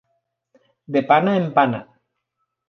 De pana en pana.